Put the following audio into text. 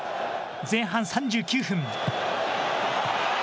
前半３９分。